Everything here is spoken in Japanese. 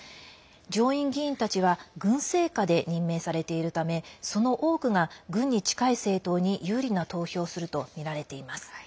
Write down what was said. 上院議員たちは軍政下で任命されているためその多くが軍に近い政党に有利な投票をするとみられています。